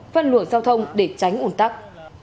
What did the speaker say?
phân luận giao thông để tránh ủn tắc